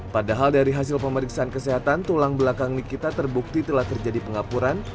padahal dari hasil pemeriksaan kesehatan tulang belakang nikita terbukti telah terjadi pengapuran